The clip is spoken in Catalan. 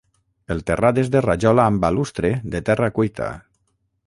El terrat és de rajola amb balustre de terra cuita.